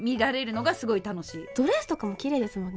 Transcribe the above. ドレスとかもきれいですもんね。